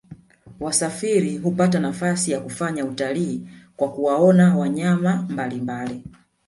wasafiri hupata nafasi ya kufanya utalii kwa kuwaona wanyama mbalimbali